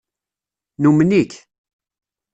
Numen-ik.